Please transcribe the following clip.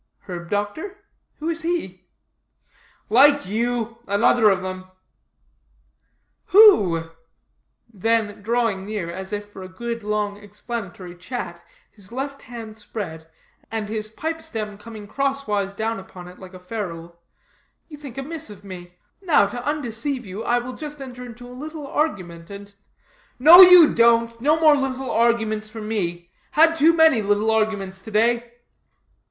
"Herb doctor? who is he?" "Like you another of them." "Who?" Then drawing near, as if for a good long explanatory chat, his left hand spread, and his pipe stem coming crosswise down upon it like a ferule, "You think amiss of me. Now to undeceive you, I will just enter into a little argument and " "No you don't. No more little arguments for me. Had too many little arguments to day."